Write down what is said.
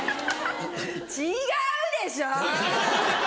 違うでしょ！